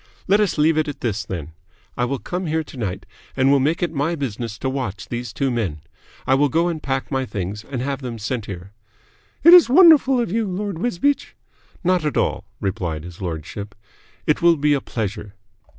Let us leave it at this then. I will come here to night and will make it my business to watch these two men. I will go and pack my things and have them sent here." "It is wonderful of you, Lord Wisbeach." "Not at all," replied his lordship. "It will be a pleasure."